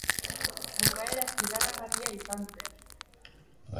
Bukaera zirraragarria izan zen.